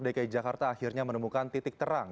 dki jakarta akhirnya menemukan titik terang